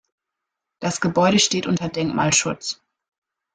Das Gebäude steht unter Denkmalschutz.